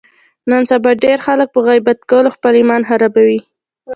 نن سبا ډېری خلک په غیبت کولو خپل ایمان خرابوي.